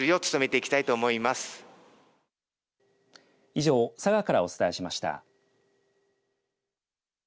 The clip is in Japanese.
以上、佐賀からお伝えしました。